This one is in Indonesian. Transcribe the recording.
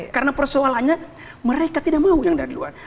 karena persoalannya mereka tidak mau yang dari luar